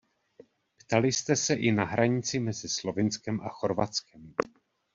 Ptali jste se i na hranici mezi Slovinskem a Chorvatskem.